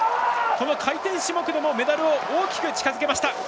この回転種目でもメダルを大きく近づけました。